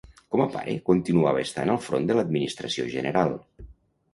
Com a pare, continuava estant al front de l'administració general